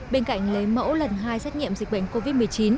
bên cạnh lấy mẫu lần hai xét nghiệm dịch bệnh covid một mươi chín